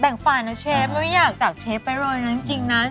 แบ่งฝ่ายนะเชฟมึงอยากจักรเชฟไปเรื่อยจริงนะ